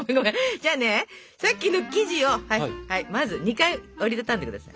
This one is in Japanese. じゃあねさっきの生地をまず２回折り畳んでください。